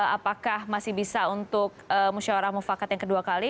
apakah masih bisa untuk musyawarah mufakat yang kedua kali